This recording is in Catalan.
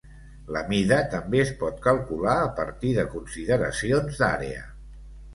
La mida també es pot calcular a partir de consideracions d'àrea.